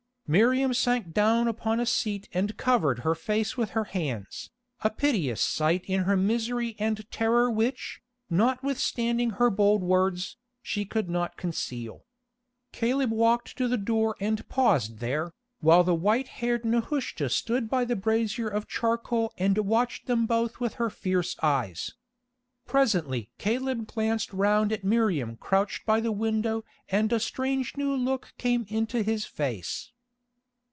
Miriam sank down upon a seat and covered her face with her hands, a piteous sight in her misery and the terror which, notwithstanding her bold words, she could not conceal. Caleb walked to the door and paused there, while the white haired Nehushta stood by the brazier of charcoal and watched them both with her fierce eyes. Presently Caleb glanced round at Miriam crouched by the window and a strange new look came into his face.